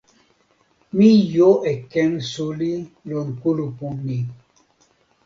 mi jo e ken suli lon kulupu ni.